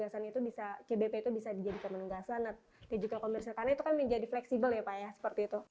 cbp itu bisa menjadi penugasan atau digital commercial karena itu kan menjadi fleksibel ya pak ya seperti itu